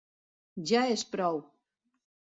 Ja és prou!